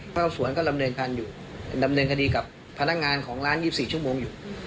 พระครับสวนก็ดำเนินคดีกับพนักงานของร้าน๒๔ชั่วโมงอยู่